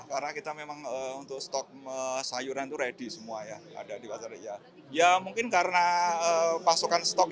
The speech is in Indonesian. karena kita memang untuk stok sayuran ready semua ya ada di pasar ya ya mungkin karena pasokan stok